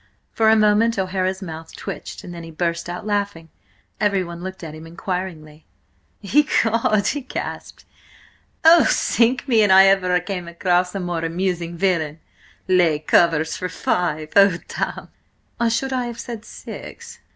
For a moment O'Hara's mouth twitched, and then he burst out laughing. Everyone looked at him inquiringly. "Ecod!" he gasped. "Oh, sink me an I ever came across a more amusing villain! 'Lay covers for five!' Oh, damme!" "Or should I have said six?"